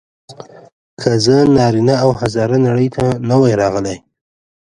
که زه نارینه او هزاره نړۍ ته نه وای راغلی.